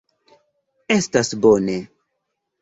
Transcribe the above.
Estas bone.